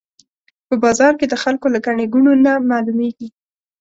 په بازار کې د خلکو له ګڼې ګوڼې نه معلومېږي.